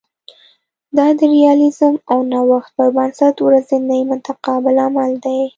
دا د ریالیزم او نوښت پر بنسټ ورځنی متقابل عمل دی